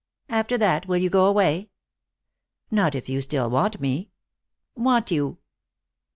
"After that, will you go away?" "Not if you still want me." "Want you!"